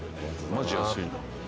マジ安いな。